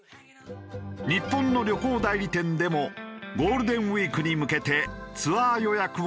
日本の旅行代理店でもゴールデンウィークに向けてツアー予約を再開。